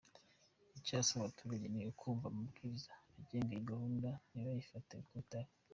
Icyo asaba abaturage ni ukumva amabwiriza agenga iyi gahunda ntibayifate uko itari.